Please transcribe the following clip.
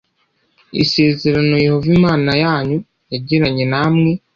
isezerano Yehova Imana yanyu yagiranye namwe,